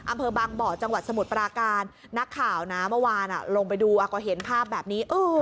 อำเภอบางบ่อจังหวัดสมุทรปราการนักข่าวนะเมื่อวานลงไปดูก็เห็นภาพแบบนี้